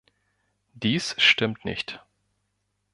Dies stimmt nicht.